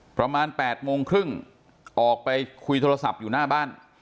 ประมาณ๘โมงครึ่งออกไปคุยโทรศัพท์อยู่หน้าบ้าน